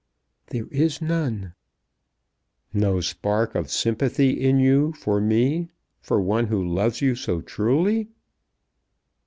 "There is none." "No spark of sympathy in you for me, for one who loves you so truly?"